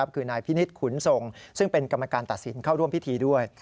คือนายพินิษฐ์ขุนทรงซึ่งเป็นกรรมการตัดสินเข้าร่วมพิธีด้วย